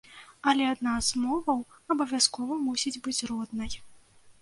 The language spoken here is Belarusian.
Але адна з моваў абавязкова мусіць быць роднай.